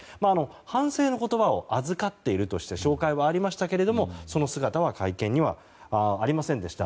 反省の言葉を預かっているとして紹介はありましたけれどもその姿は会見にはありませんでした。